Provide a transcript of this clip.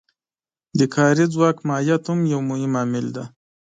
د کاري ځواک ماهیت هم یو مهم عامل دی